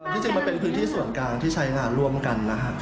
จริงมันเป็นพื้นที่ส่วนกลางที่ใช้งานร่วมกันนะฮะ